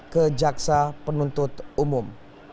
ke jaksa penuntut umum